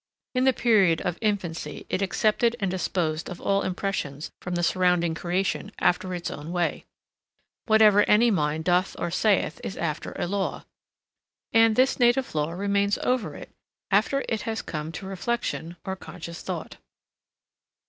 In the period of infancy it accepted and disposed of all impressions from the surrounding creation after its own way. Whatever any mind doth or saith is after a law; and this native law remains over it after it has come to reflection or conscious thought.